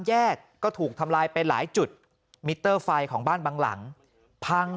แยกก็ถูกทำลายไปหลายจุดมิเตอร์ไฟของบ้านบางหลังพัง